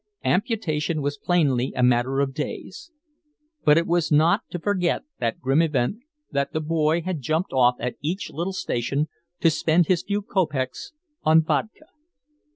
Amputation was plainly a matter of days. But it was not to forget that grim event that the boy had jumped off at each little station to spend his few kopecks on vodka.